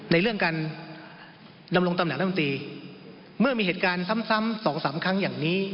ในเรื่องการดำรงตำแหนรัฐมนตรีเมื่อมีเหตุการณ์ซ้ำสองสามครั้งอย่างนี้